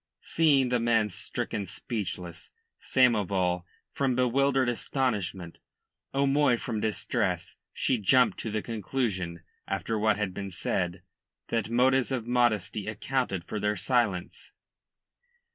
Seeing the men stricken speechless, Samoval from bewildered astonishment, O'Moy from distress, she jumped to the conclusion, after what had been said, that motives of modesty accounted for their silence.